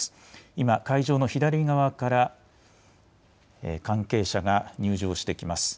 今、会場の左側から、関係者が入場してきます。